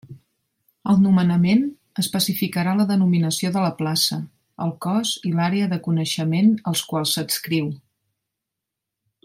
El nomenament especificarà la denominació de la plaça, el cos i l'àrea de coneixement als quals s'adscriu.